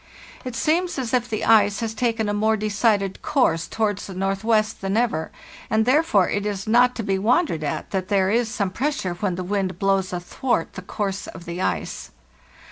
It seems as if the ice has taken a more decided course towards the northwest than ever, and therefore it is not to be wondered at that there is some pressure when the wind blows athwart the course of the ice.